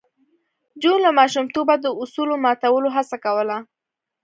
جون له ماشومتوبه د اصولو ماتولو هڅه کوله